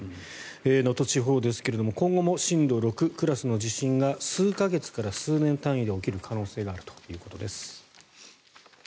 能登地方ですが今後も震度６クラスの地震が数か月から数年単位で起きる可能性があるということです。